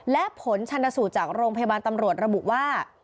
และผลชนสูตรจากโรงพยาบาลตำรวจระบุว่า